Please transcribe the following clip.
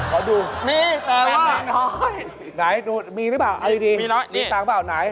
ขอดูมีตรงนั้น